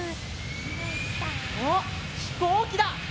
あっひこうきだ！